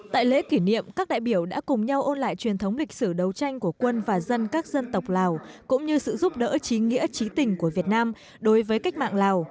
tại lễ kỷ niệm các đại biểu đã cùng nhau ôn lại truyền thống lịch sử đấu tranh của quân và dân các dân tộc lào cũng như sự giúp đỡ trí nghĩa trí tình của việt nam đối với cách mạng lào